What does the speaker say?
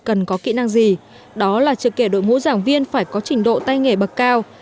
cần có kỹ năng gì đó là chưa kể đội ngũ giảng viên phải có trình độ tay nghề bậc cao